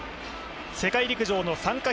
世界陸上の参加